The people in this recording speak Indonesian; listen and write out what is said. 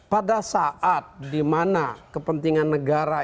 pada saat di mana kepentingan negara